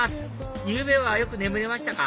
昨夜はよく眠れましたか？